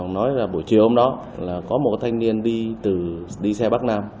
nói là buổi chiều hôm đó là có một thanh niên đi xe bắc nam